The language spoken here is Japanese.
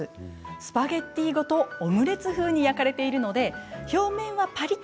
スパゲッティごとオムレツ風に焼かれているので表面はパリッ！